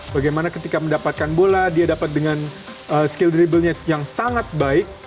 bagaimana ketika mendapatkan bola dia dapat dengan skill dribble nya yang sangat baik